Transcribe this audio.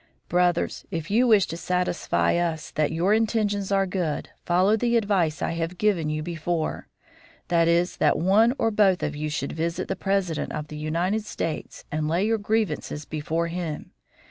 "Brothers, if you wish to satisfy us that your intentions are good, follow the advice I have given you before: that is, that one or both of you should visit the President of the United States and lay your grievances before him.